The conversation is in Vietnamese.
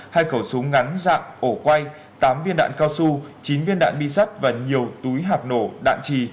hai khẩu súng ngắn dạng ổ quay tám viên đạn cao su chín viên đạn bi sắt và nhiều túi hạt nổ đạn trì